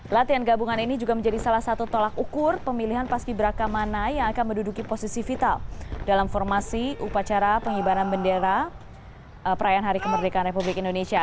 latihan gabungan ini juga menjadi salah satu tolak ukur pemilihan paski beraka mana yang akan menduduki posisi vital dalam formasi upacara pengibaran bendera perayaan hari kemerdekaan republik indonesia